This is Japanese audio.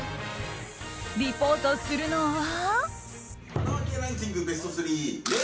リポートするのは。